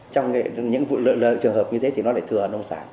trong những trường hợp như thế thì nó lại thừa nông sản